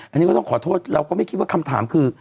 อันนี้ก็ต้องขอโทษเราก็ไม่คิดว่าคำถามคือ